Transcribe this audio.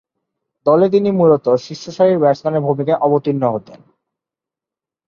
দলে তিনি মূলতঃ শীর্ষসারির ব্যাটসম্যানের ভূমিকায় অবতীর্ণ হতেন।